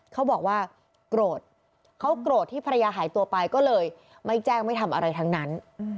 เขาบอกว่าโกรธเขาโกรธที่ภรรยาหายตัวไปก็เลยไม่แจ้งไม่ทำอะไรทั้งนั้น